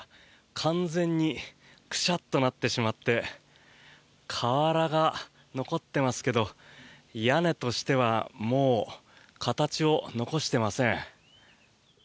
完全にクシャッとなってしまって瓦が残ってますけど屋根としてはもう形を残していません。